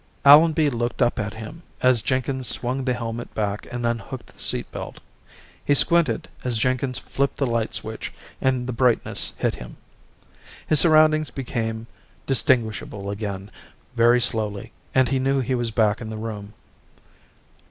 Allenby looked up at him as Jenkins swung the helmet back and unhooked the seatbelt. He squinted as Jenkins flipped the light switch and the brightness hit him. His surroundings became distinguishable again very slowly and he knew he was back in the room.